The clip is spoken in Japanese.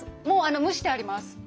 もう蒸してあります。